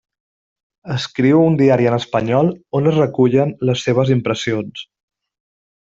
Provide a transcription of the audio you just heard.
Escriu un diari en espanyol on es recullen les seves impressions.